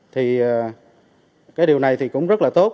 thì điều này cũng rất là tốt